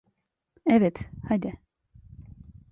Evet, hadi.